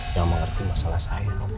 jangan mengerti masalah saya